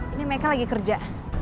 ini meka lagi kerja